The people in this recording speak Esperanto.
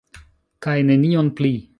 Kaj nenion pli.